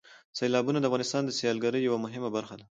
سیلابونه د افغانستان د سیلګرۍ یوه مهمه برخه ده.